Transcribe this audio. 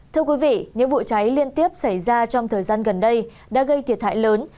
thưa quý vị những vụ cháy liên tiếp xảy ra trong thời gian gần đây đã gây thiệt hại lớn